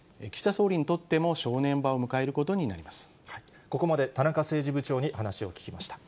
総理にとっても正念場を迎えることになります。